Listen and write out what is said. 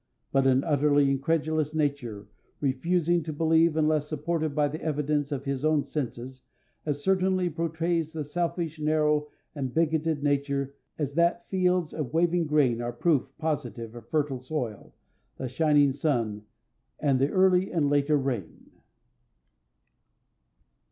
But an utterly incredulous nature, refusing to believe unless supported by the evidence of his own senses, as certainly portrays the selfish, narrow, and bigoted nature as that fields of waving grain are proof positive of fertile soil, the shining sun, and the early and later rain.